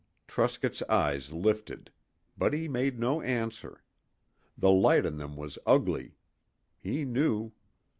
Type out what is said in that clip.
Truscott's eyes lifted. But he made no answer. The light in them was ugly. He knew.